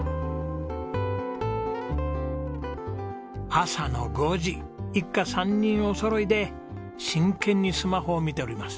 朝の５時一家３人おそろいで真剣にスマホを見ております。